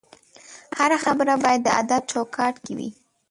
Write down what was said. هره خبره باید د ادب چوکاټ کې وي